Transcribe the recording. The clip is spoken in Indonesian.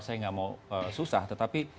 saya nggak mau susah tetapi